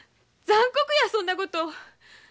残酷やそんなこと。